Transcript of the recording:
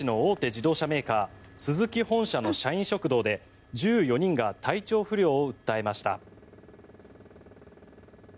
自動車メーカースズキ本社の社員食堂で１４人が体調不良を訴えました。